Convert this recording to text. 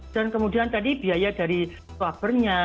dan kemudian tadi biaya dari swapernya